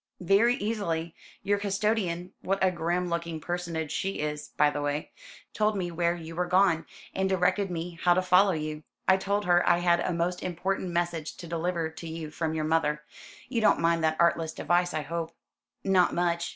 "Very easily. Your custodian what a grim looking personage she is, by the way told me where you were gone, and directed me how to follow you. I told her I had a most important message to deliver to you from your mother. You don't mind that artless device, I hope?" "Not much.